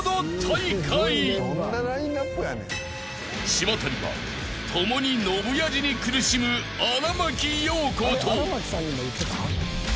［島谷は共にノブ野次に苦しむ荒牧陽子と］